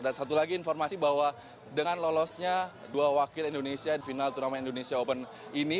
dan satu lagi informasi bahwa dengan lolosnya dua wakil indonesia di final turnamen indonesia open ini